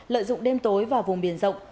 lợi dụng đêm tối vào vùng biển rộng